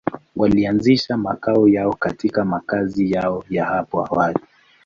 Walianzisha makao yao katika makazi yao ya hapo awali.